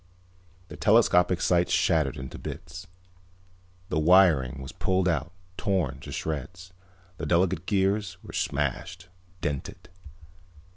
The telescopic sights shattered into bits. The wiring was pulled out, torn to shreds. The delicate gears were smashed, dented.